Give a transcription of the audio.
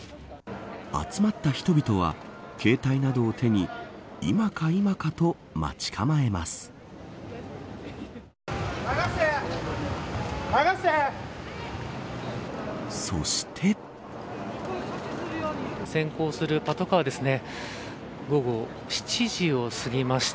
集まった人々は携帯などを手に今か今かと待ち構えます。